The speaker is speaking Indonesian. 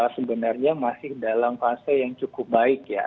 sebenarnya masih dalam fase yang cukup baik ya